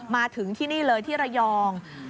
มาถึงที่นี่เลยที่ระยอง